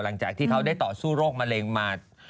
หลังจากที่เขาได้ต่อสู้โรคมะเร็งมา